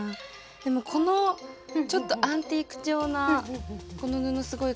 でもこのちょっとアンティーク調なこの布すごいかわいいです。